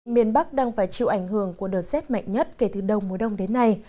miền bắc đang phải chịu ảnh hưởng của đợt xét mạnh nhất kể từ đông mùa đông đến nay